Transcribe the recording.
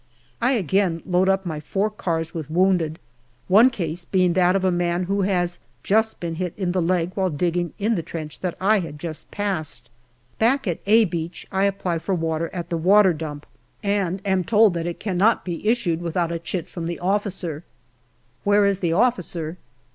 I again load up my four cars with wounded, one case being that of a man who has just been hit in the leg while digging in the trench that I had just passed. Back at " A " Beach I apply for water at the water dump, and am told that 14 210 GALLIPOLI DIARY it cannot be issued without a chit from the officer. " Where is the officer